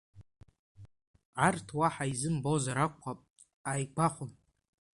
Арҭ уаҳа изымбозар акәхап ааигәахәын.